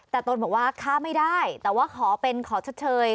แต่ตนบอกว่าค่าไม่ได้แต่ว่าขอเป็นขอชดเชย